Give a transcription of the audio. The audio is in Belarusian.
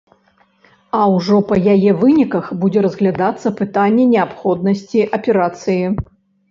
А ўжо па яе выніках будзе разглядацца пытанне неабходнасці аперацыі.